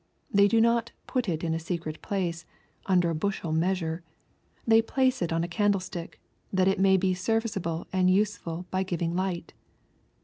They do not " put it in a secret place," under a bushel measure. They place it on a candlestick, that it may be serviceable and useful by giving light.